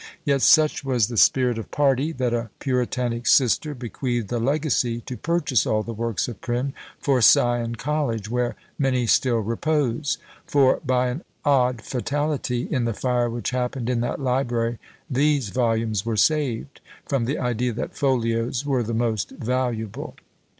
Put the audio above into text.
Yet such was the spirit of party, that a puritanic sister bequeathed a legacy to purchase all the works of Prynne for Sion College, where many still repose; for, by an odd fatality, in the fire which happened in that library these volumes were saved, from the idea that folios were the most valuable!